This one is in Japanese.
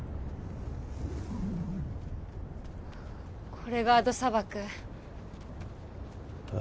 これがアド砂漠あ